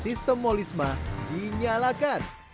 sistem molisma dinyalakan